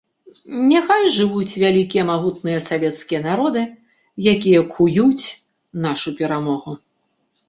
Няхай жывуць вялікія магутныя савецкія народы, якія куюць нашу перамогу!